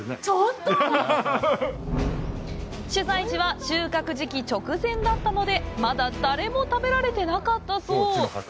取材時は収穫時期直前だったので、まだ誰も食べられてなかったそう！